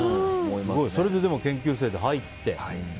それで研究生で入って。